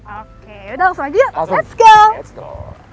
oke yuk langsung aja yuk let's go